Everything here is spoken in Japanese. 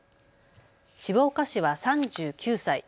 柴岡氏は３９歳。